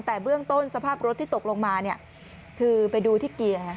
แต่เบื้องต้นสภาพรถที่ตกลงมาเนี่ยคือไปดูที่เกียร์